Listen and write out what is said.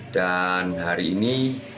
dan hari ini